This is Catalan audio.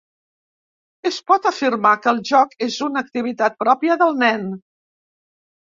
Es pot afirmar que el joc és una activitat pròpia del nen.